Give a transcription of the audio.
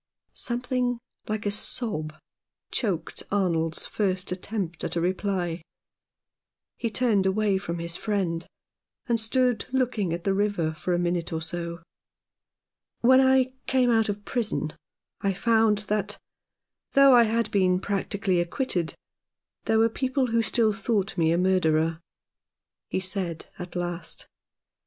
Something like a sob choked Arnold's first attempt at a reply ; he turned away from his friend, and stood looking at the river for a minute or so. "When I came out of prison I found that, though I had been practically acquitted, there were people who still thought me a murderer," he said at last.